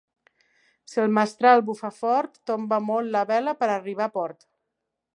Si el mestral bufa fort, tomba molt la vela per arribar a port.